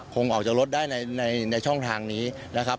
ออกจากรถได้ในช่องทางนี้นะครับ